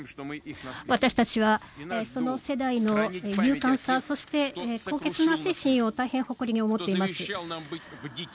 私たちはその世代の勇敢さそして高潔な精神を大変誇りに思っています。